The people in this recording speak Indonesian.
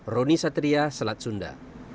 roni satria selat sunda